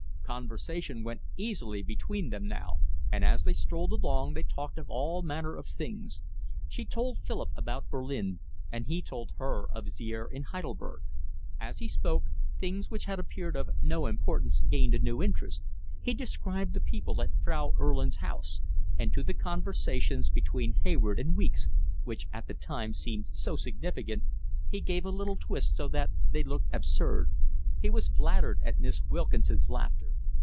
Conversation went easily between them now, and as they strolled along they talked of all manner of things. She told Philip about Berlin, and he told her of his year in Heidelberg. As he spoke, things which had appeared of no importance gained a new interest: he described the people at Frau Erlin's house; and to the conversations between Hayward and Weeks, which at the time seemed so significant, he gave a little twist, so that they looked absurd. He was flattered at Miss Wilkinson's laughter.